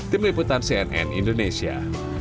tim liputan cnn indonesia